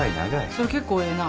それ結構ええな。